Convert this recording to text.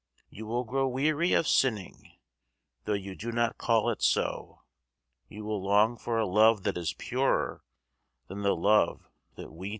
You will grow weary of sinning (Though you do not call it so), You will long for a love that is purer Than the love that we two know.